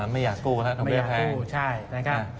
ไม่อยากกู้นะดอกเบี้ยแพงไม่อยากกู้ใช่นะครับ